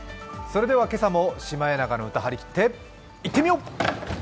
それでは今朝も「シマエナガの歌」、張り切っていってみよう！